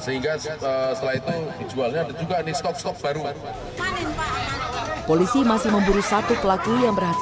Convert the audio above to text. sehingga setelah itu dijualnya ada juga nih stok stok baru polisi masih memburu satu pelaku yang berhasil